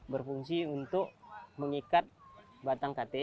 berfungsi untuk mengikat batang kate